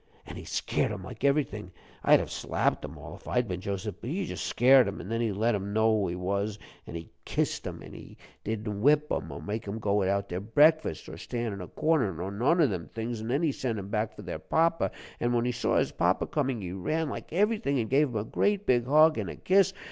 An' he scared 'em like everything; I'd have slapped 'em all if I'd been Joseph, but he just scared 'em, an' then he let 'em know who he was, an' he kissed 'em an' he didn't whip 'em, or make 'em go without their breakfast, or stand in a corner, nor none of them things; an' then he sent 'em back for their papa, an' when he saw his papa comin', he ran like everything, and gave him a great big hug and a kiss.